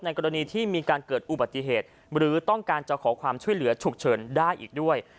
กรณีที่มีการเกิดอุบัติเหตุหรือต้องการจะขอความช่วยเหลือฉุกเฉินได้อีกด้วย